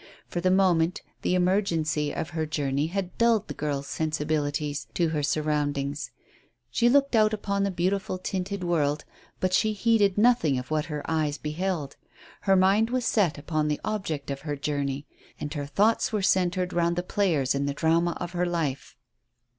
For the moment the emergency of her journey had dulled the girl's sensibilities to her surroundings. She looked out upon the beautiful tinted world, but she heeded nothing of what her eyes beheld. Her mind was set upon the object of her journey, and her thoughts were centred round the players in the drama of her life.